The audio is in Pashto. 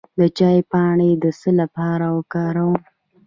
د چای پاڼې د څه لپاره وکاروم؟